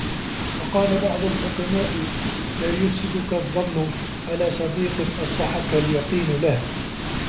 وَقَالَ بَعْضُ الْحُكَمَاءِ لَا يُفْسِدُك الظَّنُّ عَلَى صَدِيقٍ أَصْلَحَك الْيَقِينُ لَهُ